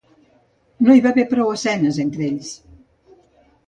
No hi va haver prou escenes entre ells.